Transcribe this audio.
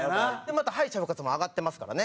また敗者復活も上がってますからね